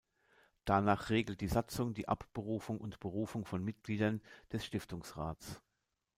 Danach regelt die Satzung die Abberufung und Berufung von Mitgliedern des Stiftungsrats.